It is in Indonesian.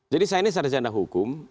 jadi saya ini sarjana hukum